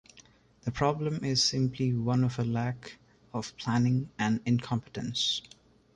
The problem is simply one of a lack of planning and incompetence.